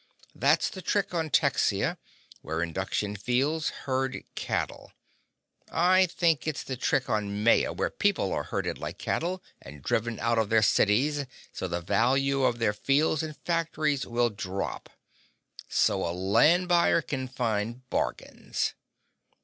That's the trick on Texia, where induction fields herd cattle. I think it's the trick on Maya, where people are herded like cattle and driven out of their cities so the value of their fields and factories will drop,—so a land buyer can find bargains!"